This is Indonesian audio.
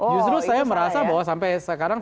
justru saya merasa bahwa sampai sekarang